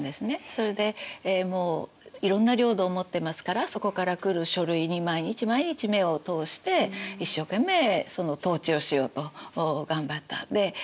それでもういろんな領土を持ってますからそこから来る書類に毎日毎日目を通して一生懸命統治をしようと頑張った。